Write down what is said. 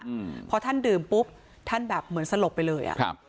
อืมพอท่านดื่มปุ๊บท่านแบบเหมือนสลบไปเลยอ่ะครับ